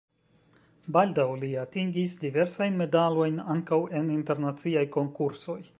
Baldaŭ li atingis diversajn medalojn ankaŭ en internaciaj konkursoj.